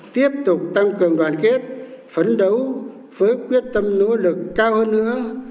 tiếp tục tăng cường đoàn kết phấn đấu với quyết tâm nỗ lực cao hơn nữa